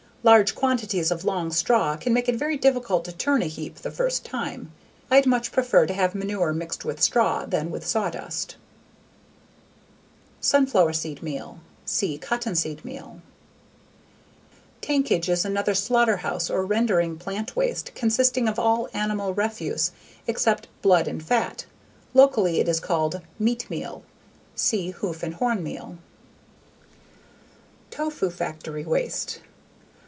Large quantities of long straw can make it very difficult to turn a heap the first time. I'd much prefer to have manure mixed with straw than with sawdust. Sunflowerseed meal. See Cottonseed meal. Tankage is another slaughterhouse or rendering plant waste consisting of all animal refuse except blood and fat. Locally it is called meat meal. See Hoof and horn meal. _Tofu factory waste.